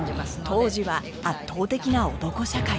当時は圧倒的な男社会